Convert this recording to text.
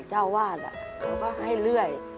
เจ้าวาดเขาก็ให้เรื่อย